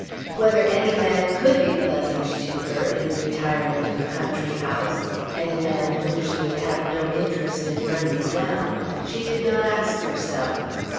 Whether any man could be pleasant to her in the retirement of a country house, any man whom she would have no interest in running down, she did not ask herself.